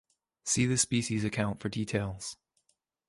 See the species account for details.